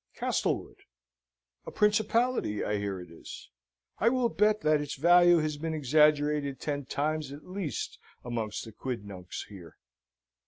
"Castlewood." "A principality, I hear it is. I will bet that its value has been exaggerated ten times at least amongst the quidnuncs here.